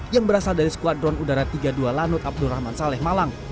yang berasal dari sekuadron udara tiga puluh dua lanut abdul rahman saleh malang